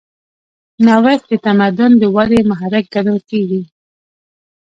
نوښت د تمدن د ودې محرک ګڼل کېږي.